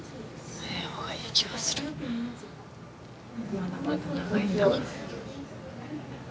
まだまだ長いんだから。